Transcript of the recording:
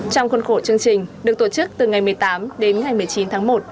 trong khuôn khổ chương trình được tổ chức từ ngày một mươi tám đến ngày một mươi chín tháng một